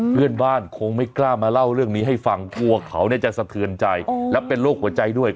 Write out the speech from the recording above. เพื่อนบ้านคงไม่กล้ามาเล่าเรื่องนี้ให้ฟังกลัวเขาจะสะเทือนใจและเป็นโรคหัวใจด้วย